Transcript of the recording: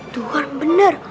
tuh kan bener